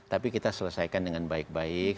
tapi kita selesaikan dengan baik baik